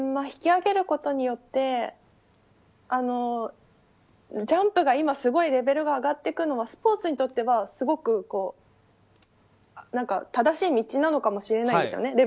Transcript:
引き上げることによってジャンプのレベルが今すごい上がっていくのはスポーツにとってはすごく正しい道なのかもしれないんですよね。